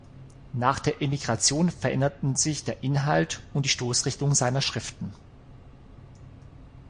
Nach der Emigration veränderten sich der Inhalt und die Stoßrichtung seiner Schriften.